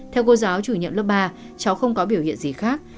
theo cô giáo chủ nhiệm lớp ba cháu không có biểu hiện gì khác